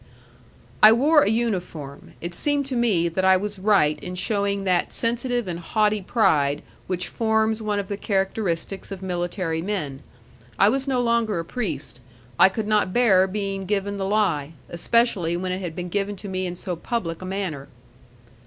I wore an uniform; it seemed to me that I was right in showing that sensitive and haughty pride which forms one of the characteristics of military men. I was no longer a priest: I could not bear being given the lie, especially when it had been given to me in so public a manner.